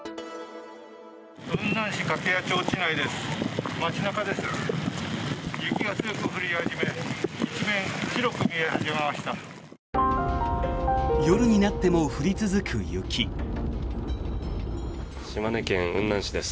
雲南市掛合町市内です。